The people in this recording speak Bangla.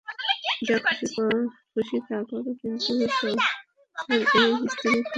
যা খুশি তা কর কিন্তু তোমার এই স্ত্রীর খবর কি?